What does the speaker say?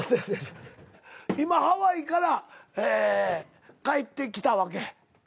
今ハワイから帰ってきたわけ？